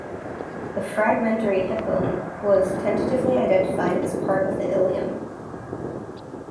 The fragmentary hip bone was tentatively identified as part of the ilium.